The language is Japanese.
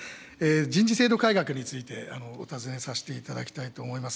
人事制度改革についてお尋ねさせていただきたいと思います。